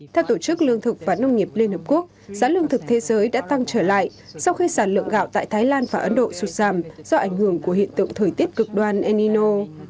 theo tổ chức lương thực và nông nghiệp liên hợp quốc giá lương thực thế giới đã tăng trở lại sau khi sản lượng gạo tại thái lan và ấn độ sụt giảm do ảnh hưởng của hiện tượng thời tiết cực đoan enino